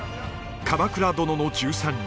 「鎌倉殿の１３人」。